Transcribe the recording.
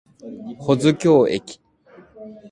保津峡駅